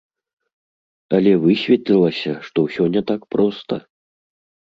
Але высветлілася, што ўсё не так проста.